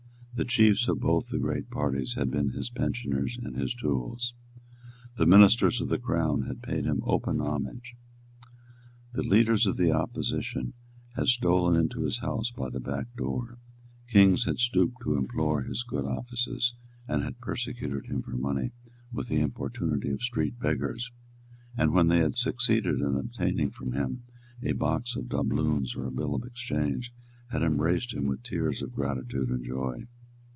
The chiefs of both the great parties had been his pensioners and his tools. The ministers of the Crown had paid him open homage. The leaders of the opposition had stolen into his house by the back door. Kings had stooped to implore his good offices, had persecuted him for money with the importunity of street beggars; and, when they had succeeded in obtaining from him a box of doubloons or a bill of exchange, had embraced him with tears of gratitude and joy.